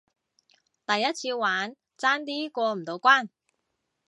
第一次玩，爭啲過唔到關